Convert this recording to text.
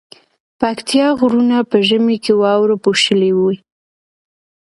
پکتيا غرونه په ژمی کی واورو پوښلي وی